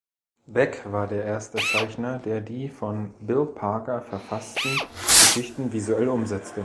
Beck war der erste Zeichner, der die von Bill Parker verfassten Geschichten visuell umsetzte.